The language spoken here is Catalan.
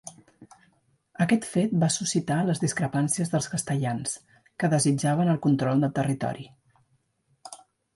Aquest fet va suscitar les discrepàncies dels castellans, que desitjaven el control del territori.